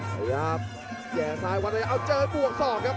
ขยับแห่งซ้ายวันไหวเอ้าเจอปวดศอกครับ